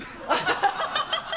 ハハハ